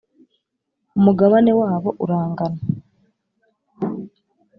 Umugabane wabo urangana.